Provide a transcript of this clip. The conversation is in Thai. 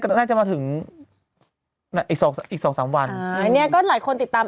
ก็น่าจะมาถึงอีก๒๓วัน